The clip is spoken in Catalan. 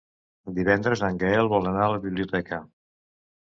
Divendres en Gaël vol anar a la biblioteca.